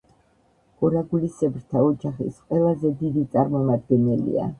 ორაგულისებრთა ოჯახის ყველაზე დიდი წარმომადგენელია.